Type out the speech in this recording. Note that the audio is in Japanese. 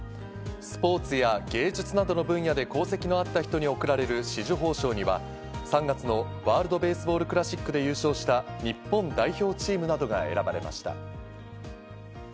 スポーツや芸術などの分野で功績のあった人に贈られる紫綬褒章には、３月のワールド・ベースボール・クラシックで優勝した日本代表チームなどが選ばれました。